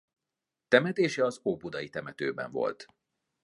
Temetése az Óbudai temetőben volt.